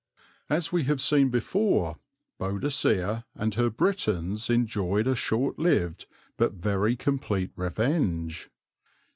As we have seen before, Boadicea and her Britons enjoyed a short lived but very complete revenge.